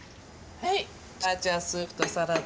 はい。